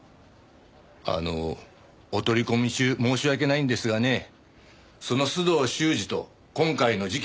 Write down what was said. あのお取り込み中申し訳ないんですがねその須藤修史と今回の事件